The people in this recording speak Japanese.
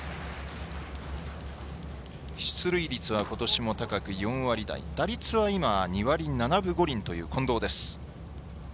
出塁率はことしも高く４割台打率は今２割７分５厘という近藤です。